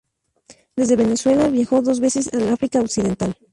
Desde Venezuela viajó dos veces al África occidental.